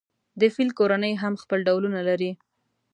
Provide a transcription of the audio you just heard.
د فیل کورنۍ هم خپل ډولونه لري.